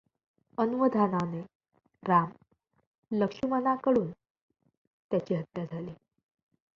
अनवधानाने राम लक्ष्मणाकडून त्याची हत्या झाली.